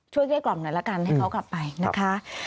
เกลี้กล่อมหน่อยละกันให้เขากลับไปนะคะ